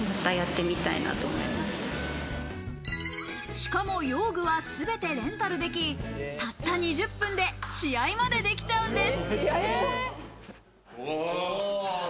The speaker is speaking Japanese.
しかも用具はすべてレンタルでき、たった２０分で試合までできちゃうんです。